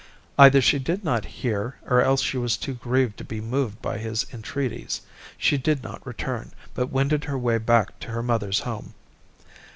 Either she did not hear, or else she was too grieved to be moved by his entreaties. She did not return, but wended her way back to her mother's home.